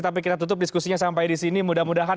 tapi kita tutup diskusinya sampai di sini mudah mudahan